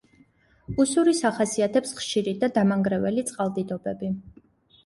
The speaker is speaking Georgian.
უსურის ახასიათებს ხშირი და დამანგრეველი წყალდიდობები.